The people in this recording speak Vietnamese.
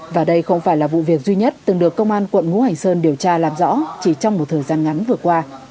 và đây không phải là vụ việc duy nhất từng được công an quận ngũ hành sơn điều tra làm rõ chỉ trong một thời gian ngắn vừa qua